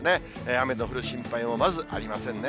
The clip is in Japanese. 雨の降る心配はまずありませんね。